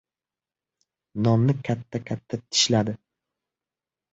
Nonni katta-katta tishladi.